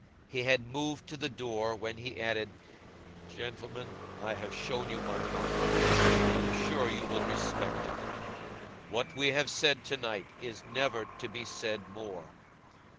He had moved to the door, when he added: 'Gentlemen, I have shown you my heart. I am sure you will respect it. What we have said tonight is never to be said more.